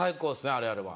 あれあれば。